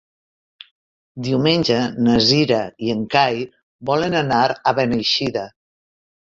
Diumenge na Cira i en Cai volen anar a Beneixida.